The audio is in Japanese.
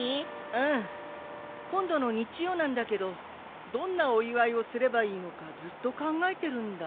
うん！今度の日曜なんだけどどんなお祝いをすればいいのかずっと考えてるんだ。